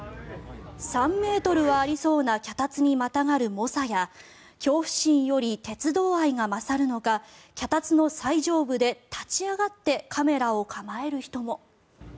３ｍはありそうな脚立にまたがる猛者や恐怖心より鉄道愛が勝るのか脚立の最上部で立ち上がってカメラを構える人も。